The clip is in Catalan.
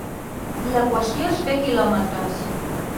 La qüestió és fer quilòmetres.